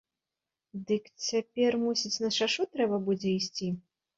Дык цяпер, мусіць, на шашу трэба будзе ісці?